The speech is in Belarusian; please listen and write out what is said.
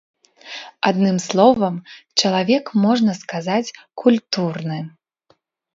Адным словам, чалавек, можна сказаць, культурны.